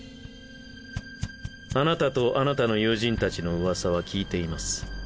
あなたとあなたの友人たちのウワサは聞いています。